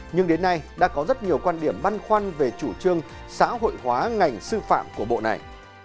nhưng đến nay đã có rất nhiều quan điểm băn khoăn về chủ trương xã hội hóa ngành sư phạm của bộ này